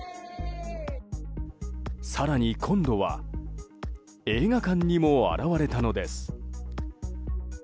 更に今度は映画館にも現れたのです。